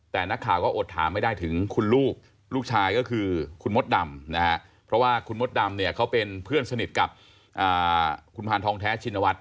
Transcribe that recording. แต่นักข่าวก็อดถามไม่ได้ถึงคุณลูกลูกชายก็คือคุณมดดำนะฮะเพราะว่าคุณมดดำเนี่ยเขาเป็นเพื่อนสนิทกับคุณพานทองแท้ชินวัฒ